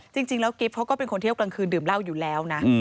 จริงแล้วกิฟต์เขาก็เป็นคนเที่ยวกลางคืนดื่มเหล้าอยู่แล้วนะ